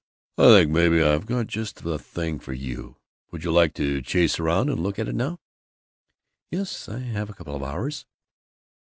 "I think maybe I've got just the thing for you. Would you like to chase around and look at it now?" "Yes. I have a couple of hours."